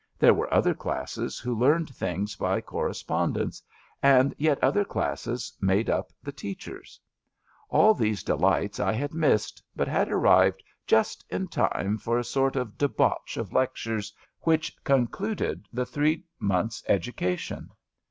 There were other classes who learned things by correspondence, and yet other <5lasses made up the teachers. All these delights I had missed, but had arrived just in time for a CHAUTAUQUAED ITS sort of debauch of lectures which concluded the three months' education.